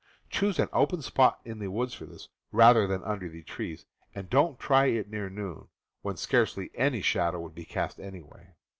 Choose an open spot in the woods for this, rather than under the trees, and don't try it near noon, when scarcely any shadow would be cast anyway.